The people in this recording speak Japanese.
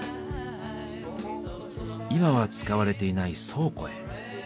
今は使われていない倉庫へ。